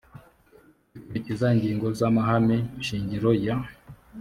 rikurikiza ingingo z amahame shingiro ya